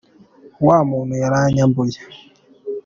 Wa muntu yaranyambuye